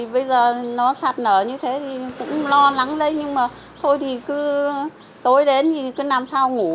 bây giờ nó sạt lở như thế thì cũng lo lắng đấy nhưng mà thôi thì cứ tối đến thì cứ làm sao ngủ